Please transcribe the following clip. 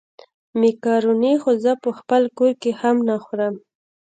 مېکاروني خو زه په خپل کور کې هم نه خورم.